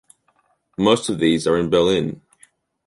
Most of these are in Berlin.